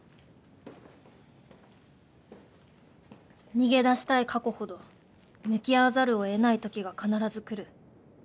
逃げ出したい過去ほど向き合わざるをえない時が必ず来る。